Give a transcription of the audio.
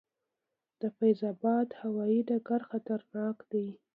د فیض اباد هوايي ډګر خطرناک دی؟